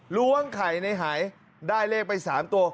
ล้วงไข่ในหายได้เลขไป๓ตัว